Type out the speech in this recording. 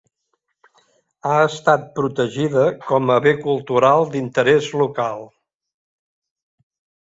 Ha estat protegida com a bé cultural d'interès local.